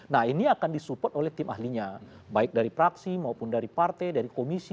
nah ini akan disupport oleh tim ahlinya baik dari praksi maupun dari partai dari komisi